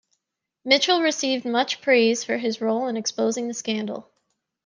Mitchell received much praise for his role in exposing the scandal.